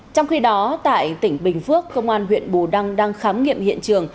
trong khi đó tại tỉnh bình phước công an huyện bù đăng đang khám nghiệm hiện trường